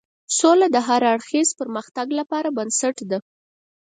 سوله د هر اړخیز پرمختګ لپاره بنسټ ده.